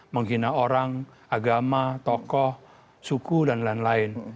menghina orang agama tokoh suku dan lain lain